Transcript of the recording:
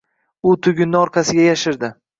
U tugunni orqasiga yashirdi.